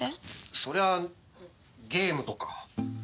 そりゃあゲームとか。